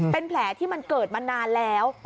เป็นแผลที่มันเกิดมานานแล้ว